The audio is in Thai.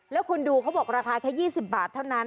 แล้วคุณดูเขาบอกราคาแค่๒๐บาทเท่านั้น